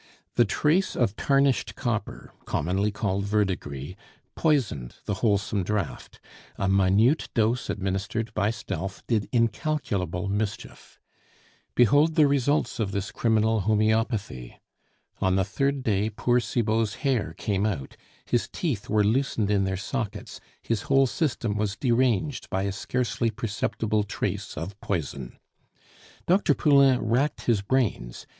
The trace of tarnished copper, commonly called verdigris, poisoned the wholesome draught; a minute dose administered by stealth did incalculable mischief. Behold the results of this criminal homoeopathy! On the third day poor Cibot's hair came out, his teeth were loosened in their sockets, his whole system was deranged by a scarcely perceptible trace of poison. Dr. Poulain racked his brains.